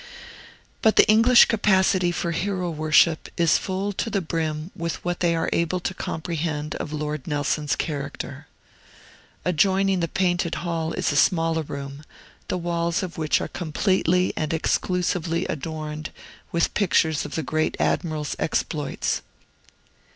But the English capacity for hero worship is full to the brim with what they are able to comprehend of Lord Nelson's character. Adjoining the Painted Hall is a smaller room, the walls of which are completely and exclusively adorned with pictures of the great Admiral's exploits.